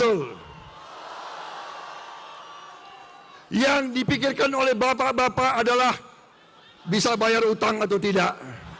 betul yang dipikirkan oleh bapak bapak adalah bisa bayar utang atau tidak